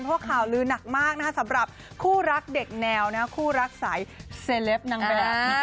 เพราะข่าวลือหนักมากสำหรับคู่รักเด็กแนวคู่รักสายเซเลปนางแบบ